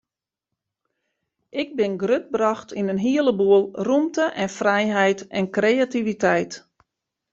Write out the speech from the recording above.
Ik bin grutbrocht yn in hele boel rûmte en frijheid en kreativiteit.